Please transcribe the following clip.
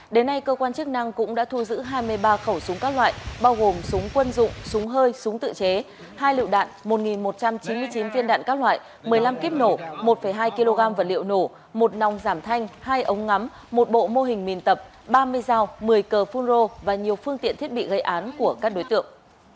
đến nay cơ quan chức năng cũng đã thu giữ hai mươi ba khẩu súng các loại bao gồm súng quân dụng súng hơi súng tự chế hai lựu đạn một một trăm chín mươi chín viên đạn các loại một mươi năm kíp nổ một hai kg vật liệu nổ một nòng giảm thanh hai ống ngắm một bộ mô hình mìn tập ba mươi dao một mươi cờ phun rô và nhiều phương tiện thiết bị gây án của các đối tượng